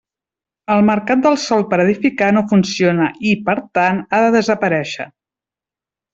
El mercat del sòl per edificar no funciona i, per tant, ha de desaparéixer.